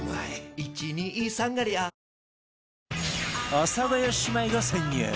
阿佐ヶ谷姉妹が潜入